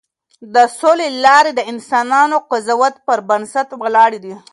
د سولې لارې د انسانانه قضاوت پر بنسټ ولاړې دي.